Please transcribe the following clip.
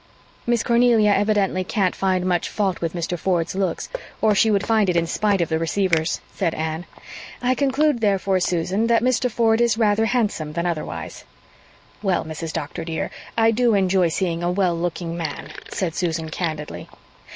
"Miss Cornelia evidently can't find much fault with Mr. Ford's looks, or she would find it in spite of the receivers," said Anne. "I conclude therefore, Susan, that Mr. Ford is rather handsome than otherwise." "Well, Mrs. Doctor, dear, I DO enjoy seeing a well looking man," said Susan candidly.